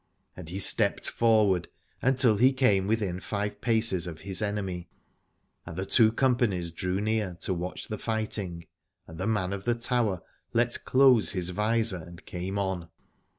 And he stepped forward until he came within five paces of his enemy, and the two companies drew near to watch the fighting, and the man of the Tower let close his visor and came on.